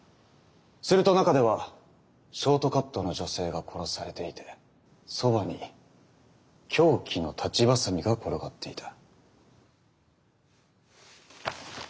すると中ではショートカットの女性が殺されていてそばに凶器の裁ちバサミが転がっていた。